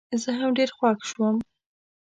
زه هم ډېر خوښ شوم.